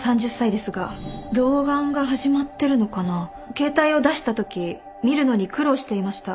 携帯を出したとき見るのに苦労していました。